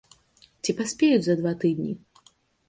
Ці паспеюць за два тыдні?